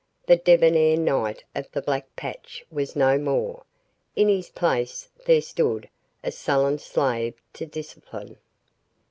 The debonair knight of the black patch was no more; in his place there stood a sullen slave to discipline.